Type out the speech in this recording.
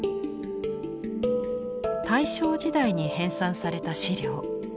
大正時代に編纂された史料。